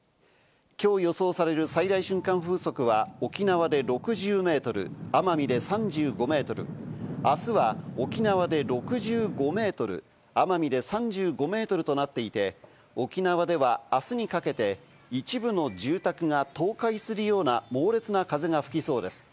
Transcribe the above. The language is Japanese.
きょう予想される最大瞬間風速は、沖縄で６０メートル、奄美で３５メートル、あすは沖縄で６５メートル、奄美で３５メートルとなっていて、沖縄ではあすにかけて、一部の住宅が倒壊するような猛烈な風が吹きそうです。